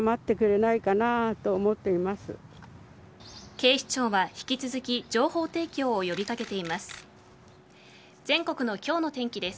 警視庁は引き続き情報提供を呼び掛けています。